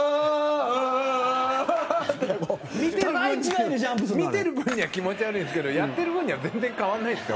藤田：見てる分には気持ち悪いんですけどやってる分には全然変わらないですよ。